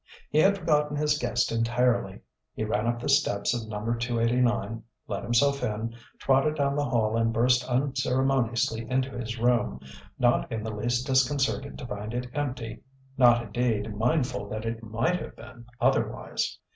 He had forgotten his guest entirely. He ran up the steps of Number 289, let himself in, trotted down the hall and burst unceremoniously into his room not in the least disconcerted to find it empty, not, indeed, mindful that it might have been otherwise.